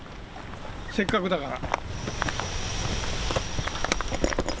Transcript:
せっかくだから。